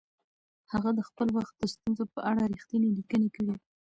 هغه د خپل وخت د ستونزو په اړه رښتیني لیکنې کړي.